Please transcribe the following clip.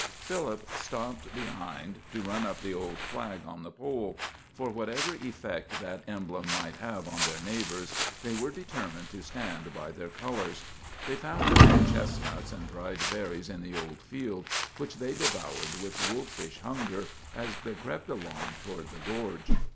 Philip stopped behind to run up the old flag on the pole; for, whatever effect that emblem might have on their neighbors, they were determined to stand by their colors. They found a few chestnuts and dried berries in the old field, which they devoured with wolfish hunger as they crept along toward the gorge.